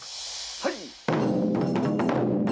はい！